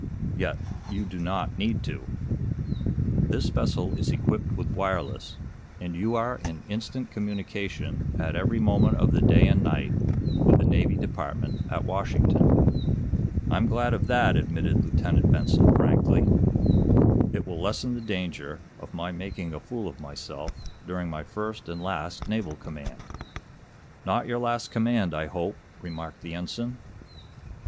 "Yet you do not need to. This vessel is equipped with wireless, and you are in instant communication, at every moment of the day and night, with the Navy Department at Washington." "I'm glad of that," admitted Lieutenant Benson, frankly. "It will lessen the danger of my making a fool of myself during my first and last naval command." "Not your last command, I hope," remarked the ensign.